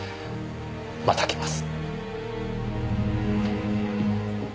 また来ます。